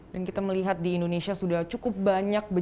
dan kita melihat di indonesia sudah cukup banyak